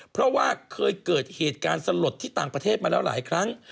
เพราะว่าเคยเกิดเหตุการณ์สลดที่ต่างประเทศมาแล้วหลายครั้ง